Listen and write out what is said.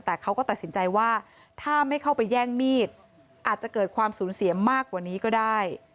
แต่เขาก็ตัดสินใจว่าถ้าไม่เข้าไปแย่งมีดอาจจะเกิดความสูญเสียมากกว่านี้ก็ได้